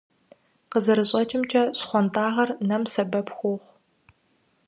КъызэрыщӀэкӀымкӀэ, щхъуантӀагъэр нэм сэбэп хуохъу.